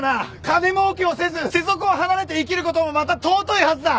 金もうけをせず世俗を離れて生きることもまた尊いはずだ！